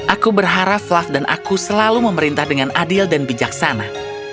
aku berharap fluff dan aku selalu memerintah dengan adil dan bijaksana